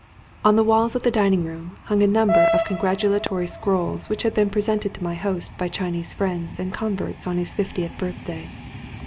On the walls of the dining room hung a number of congratulatory scrolls which had been presented to my host by Chinese friends and converts on his fiftieth birth day.